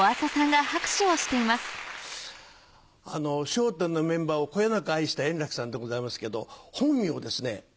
『笑点』のメンバーをこよなく愛した円楽さんでございますけど本名ですね會